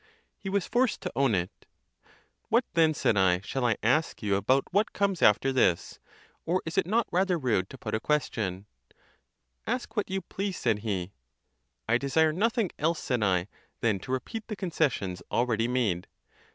—He was forced to own it.—[6.]4+What then, said I, shall I ask you about what comes after this? or is it not rather rude to put a question ?—Ask what you please, said he.—I desire nothing else, said I, than to repeat the concessions already made.